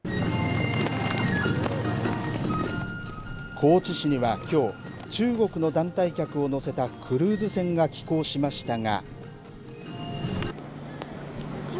高知市には、きょう中国の団体客を乗せたクルーズ船が寄港しましたが。